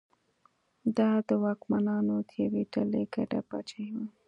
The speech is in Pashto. دا د واکمنانو د یوې ډلې ګډه پاچاهي وه.